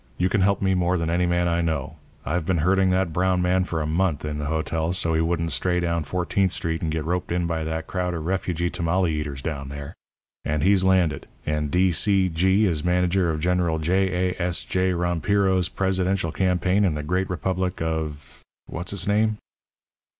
You can help me more than any man I know. I've been herding that brown man for a month in the hotel so he wouldn't stray down Fourteenth Street and get roped in by that crowd of refugee tamale eaters down there. And he's landed, and D. C. G. is manager of General J. A. S. J. Rompiro's presidential campaign in the great republic of what's its name?'